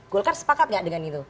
golkar sepakat gak dengan itu